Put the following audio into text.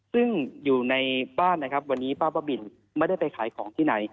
ซึ่งอยู่ในบ้านนะครับวันนี้ป้าบ้าบินไม่ได้ไปขายของที่ไหน